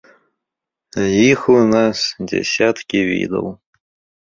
Іх у нас дзясяткі відаў.